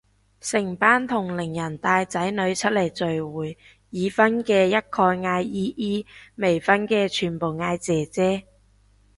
成班同齡人帶仔女出嚟聚會，已婚嘅一概嗌姨姨，未婚嘅全部嗌姐姐